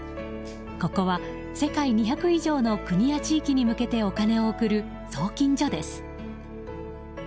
ここは世界２００以上の国や地域に向けてお金を送る送金所です。